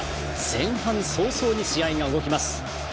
前半早々に試合が動きます。